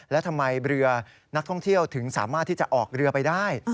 และทำไมเรือนักท่องเที่ยวถึงสามารถที่จะออกเรือไปได้